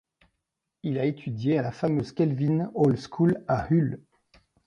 Il a étudié à la fameuse Kelvin Hall School à Hull.